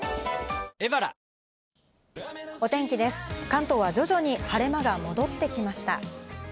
関東は徐々に晴れ間が戻ってきました。